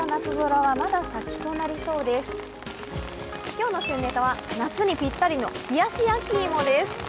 今日の旬ネタは夏にぴったりの冷やし焼き芋です。